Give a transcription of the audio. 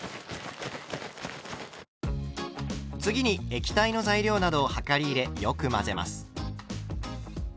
次に液体の材料などを量り入れよく混ぜます。